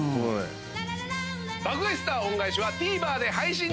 『爆買い☆スター恩返し』はＴＶｅｒで配信中。